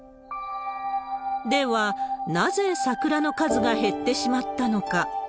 では、なぜ桜の数が減ってしまったのか。